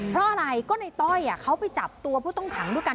เพราะอะไรก็ในต้อยเขาไปจับตัวผู้ต้องขังด้วยกัน